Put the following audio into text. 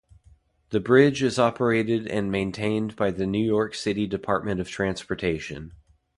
The bridge is operated and maintained by the New York City Department of Transportation.